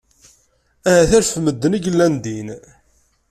Ahat alef n medden i yellan din.